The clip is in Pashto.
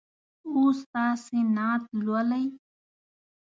اوس تاسې نعت لولئ.